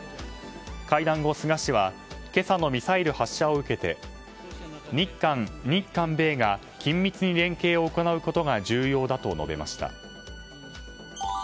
会談後、菅氏は今朝のミサイル発射を受けて日韓、日韓米が緊密に連携を行うことが重要だと述べました。